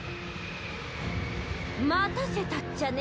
待たせたっちゃね。